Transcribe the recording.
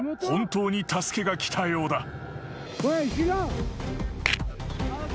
本当に助けが来たようだ］